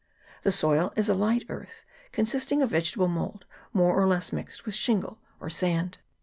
The soil is a light earth, consisting of vegetable mould, more or less mixed with shingle or sand.